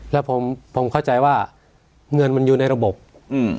แล้วผมผมเข้าใจว่าเงินมันอยู่ในระบบอืม